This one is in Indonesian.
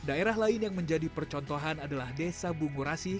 daerah lain yang menjadi percontohan adalah desa bungur asih